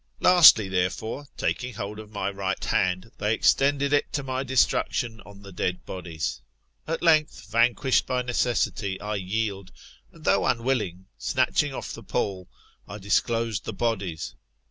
Lastly, therefore, taking hold of my right hand, they extended it to my destruc tion on the dead bodies. At length, vanquished by necessity, I yield ; and though unwilling, snatching off the pall, I disclosed the bodies.